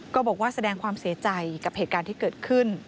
บอกว่าแสดงความเสียใจกับเหตุการณ์ที่เกิดขึ้น